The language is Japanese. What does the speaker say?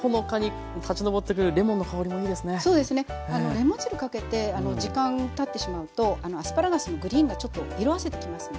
レモン汁かけて時間たってしまうとアスパラガスのグリーンがちょっと色あせてきますのでね。